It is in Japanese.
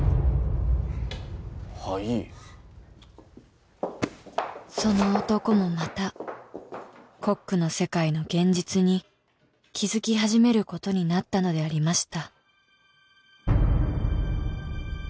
はいその男もまたコックの世界の現実に気づき始めることになったのでありました